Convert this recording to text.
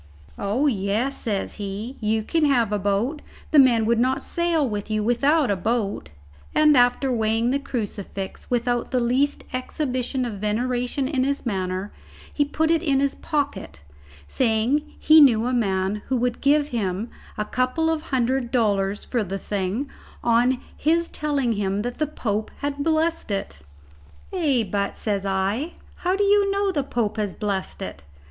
"Oh, yes," says he, "you can have a boat. The men would not sail with you without a boat;" and after weighing the crucifix without the least exhibition of veneration in his manner, he put it in his pocket, saying he knew a man who would give him a couple of hundred dollars for the thing on his telling him that the Pope had blessed it. "Ay, but," says I, "how do you know the Pope has blessed it?"